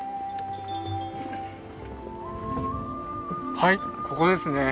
はいここですね。